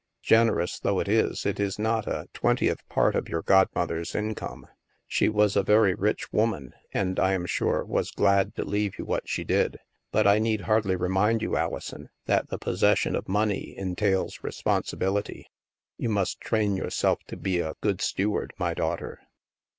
Generous though it is, it is not a twentieth part of your godmother's income. She was a very rich woman and, I am sure, was glad to leave you what she did. But, I need hardly re mind you, Alison, that the possession of money en tails responsibility. You must train yourself to be a good steward, my daughter."